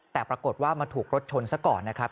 แต่ปรากฏว่ามาถูกรถชนซะก่อนนะครับ